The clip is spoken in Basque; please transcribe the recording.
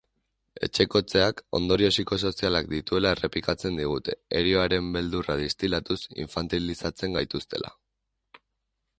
Etxekotzeak ondorio psikosozialak dituela errepikatzen digute, herioaren beldurra distilatuz, infantilizatzen gaituztela.